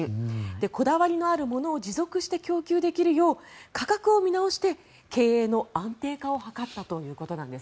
こだわりのあるものを持続して供給できるよう価格を見直して、経営の安定化を図ったということなんです。